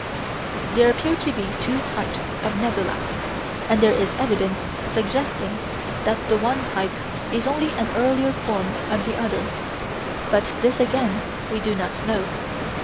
There appear to be two types of nebulæ, and there is evidence suggesting that the one type is only an earlier form of the other; but this again we do not know.